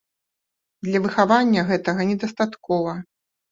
Для выхавання гэтага недастаткова.